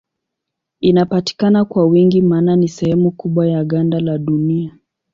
Inapatikana kwa wingi maana ni sehemu kubwa ya ganda la Dunia.